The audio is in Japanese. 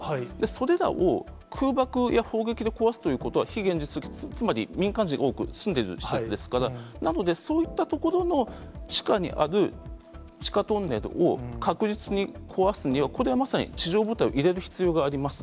それらを空爆や砲撃で壊すということは、非現実的、つまり、民間人、多く住んでる施設ですから、なので、そういったところの地下にある、地下トンネルを確実に壊すには、これはまさに地上部隊を入れる必要があります。